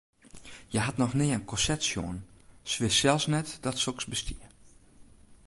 Hja hat noch nea in korset sjoen, se wist sels net dat soks bestie.